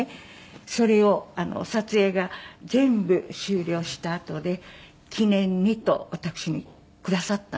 それを撮影が全部終了したあとで記念にと私にくださったんです。